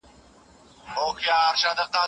پښتونخوا کي به تل یادېږي